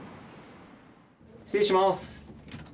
失礼します。